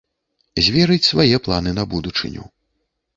Зверыць свае планы на будучыню.